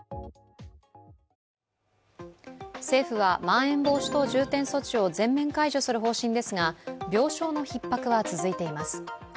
政府はまん延防止等重点措置を全面解除する方針ですが病床のひっ迫は続いています。